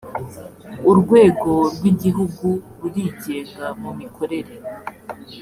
urwego rw ‘igihugu rurigenga mu mikorere.